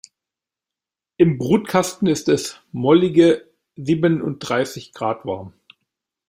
Im Brutkasten ist es mollige siebenunddreißig Grad warm.